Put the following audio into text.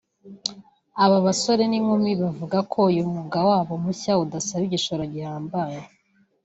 Aba basore n’inkumi bavuga ko uyu mwuga wabo mushya udasaba igishoro gihambaye